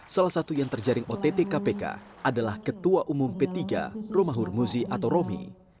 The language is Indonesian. salah satu yang terjaring ott kpk adalah ketua umum p tiga romahur muzi atau romi